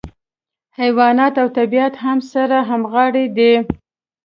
حیوانات او طبیعت هم سره همغاړي دي.